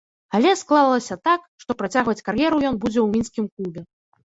Але склалася так, што працягваць кар'еру ён будзе ў мінскім клубе.